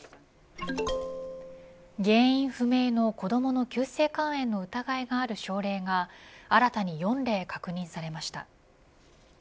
原因不明の子どもの急性肝炎の疑いのある症例が新たに４例確認されました。